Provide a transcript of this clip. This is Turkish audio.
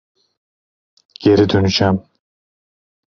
Geri döneceğim.